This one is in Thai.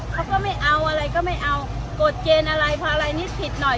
เขาก็ไม่เอาอะไรก็ไม่เอากดเจนอะไรเพราะอะไรนี่ผิดหน่อย